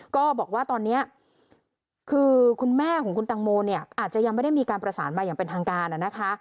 ก็บอกว่าตอนนี้คือคุณแม่ของคุณตังโมเนี่ยอาจจะยังไม่ได้มีการประสานมาอย่างเป็นทางการนะคะ